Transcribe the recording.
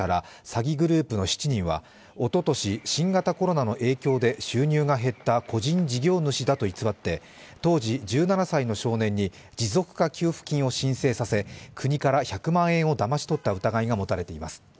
詐欺グループの７人はおととし新型コロナの影響で収入が減った個人事業主だと偽って、当時、１７歳の少年に持続化給付金を申請させ国から１００万円をだまし取った疑いが持たれています。